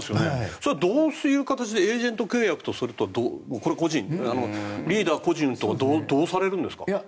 それはどういう形でエージェント契約とそれとこれはリーダー個人とどうされるんですか？